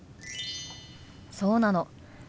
そうなの。